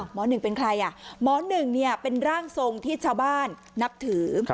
หนึ่งเป็นใครอ่ะหมอหนึ่งเป็นร่างทรงที่ชาวบ้านนับถือ